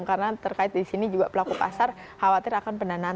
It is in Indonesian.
karena terkait di sini juga pelaku pasar khawatir akan pendanaan